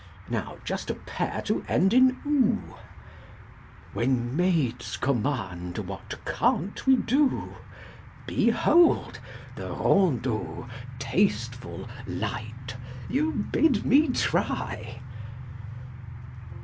Now just a pair to end in "oo" When maids command, what can't we do? Behold! the rondeau, tasteful, light, You bid me try!